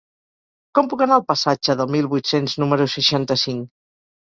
Com puc anar al passatge del Mil vuit-cents número seixanta-cinc?